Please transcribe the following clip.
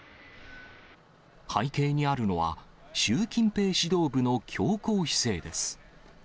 背景にあるのは、習近平指導部の強硬姿勢です。